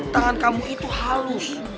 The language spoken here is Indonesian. tangan kamu itu halus